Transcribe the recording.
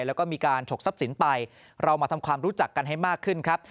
แล้วก็มีการฉกทรัพย์สินไปเรามาทำความรู้จักกันให้มากขึ้นครับ